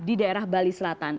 di daerah bali selatan